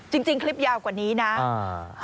จริงคลิปยาวกว่านี้นะ